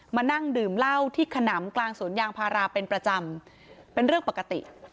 มานั่งดื่มเหล้าที่ขนำกลางสวนยางพาราเป็นประจำเป็นเรื่องปกติ